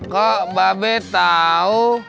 kok mbak be tau